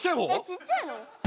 ちっちゃいの？